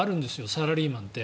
サラリーマンって。